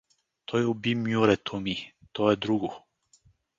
Той уби мюрето ми — то е друго.